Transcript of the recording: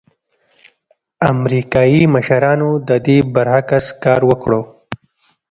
امریکايي مشرانو د دې برعکس کار وکړ.